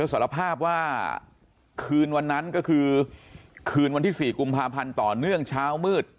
สารภาพว่าคืนวันนั้นก็คือคืนวันที่๔กุมภาพันธ์ต่อเนื่องเช้ามืด